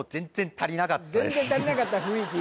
全然足りなかった雰囲気？